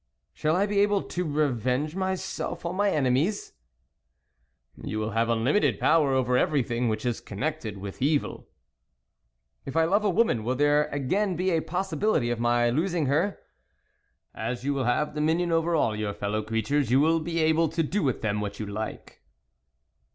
" Shall I be able to revenge myself on my enemies?" , "You will have unlimited power over everything which is connected with evil." " If I love a woman, will there again be a possibility of my losing her ?" "As you will have dominion over all your fellow creatures, you will be able to do with them what you like."